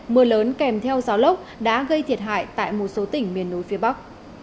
mưa lớn kèm theo gió lốc đã gây thiệt hại tại một số tỉnh miền núi phía bắc